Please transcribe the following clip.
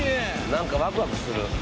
何かワクワクする。